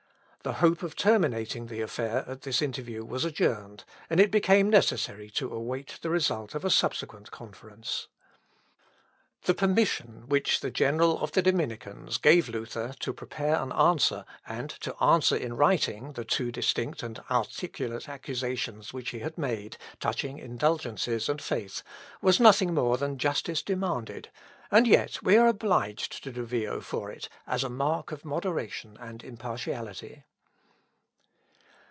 The hope of terminating the affair at this interview was adjourned, and it became necessary to await the result of a subsequent conference. The permission which the general of the Dominicans gave Luther to prepare an answer, and to answer in writing, the two distinct and articulate accusations which he had made, touching indulgences and faith, was nothing more than justice demanded, and yet we are obliged to De Vio for it, as a mark of moderation and impartiality.